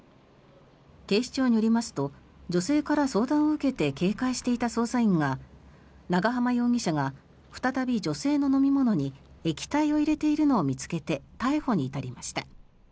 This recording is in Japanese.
警視庁によりますと女性から相談を受けて警戒していた捜査員が長濱容疑者が再び女性の飲み物に液体を入れているのを見つけて逮捕に至りました。